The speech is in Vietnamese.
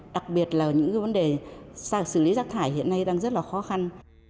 đặc biệt là những vấn đề xử lý rác thải hiện nay đang rất là khó khăn